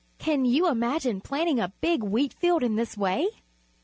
Can you imagine planting a big wheat field in this way?